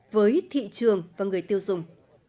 với thị trường và người tiêu dùng